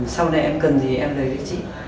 sau này em cần gì em lấy cho chị